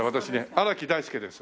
荒木大輔です。